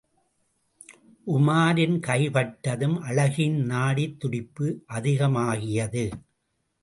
உமாரின் கைபட்டதும் அழகியின் நாடித் துடிப்பு அதிகமாகியது.